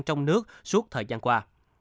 trong nước suốt thời gian qua